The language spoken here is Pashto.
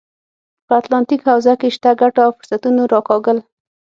په اتلانتیک حوزه کې شته ګټو او فرصتونو راکاږل.